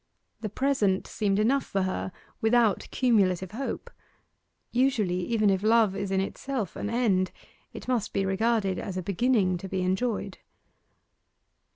The present seemed enough for her without cumulative hope: usually, even if love is in itself an end, it must be regarded as a beginning to be enjoyed.